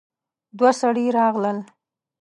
دوه سړي راغلل.